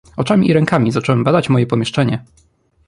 "Oczami i rękami zacząłem badać moje pomieszczenie."